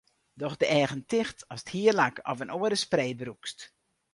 Doch de eagen ticht ast hierlak of in oare spray brûkst.